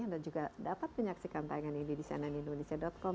anda juga dapat menyaksikan tayangan ini di cnnindonesia com